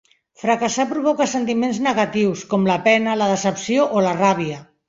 Fracassar provoca sentiments negatius, com la pena, la decepció o la ràbia.